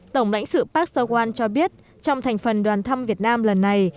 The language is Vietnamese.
tổng lãnh sự park so hwan cho biết trong thành phần đoàn thăm việt nam lần này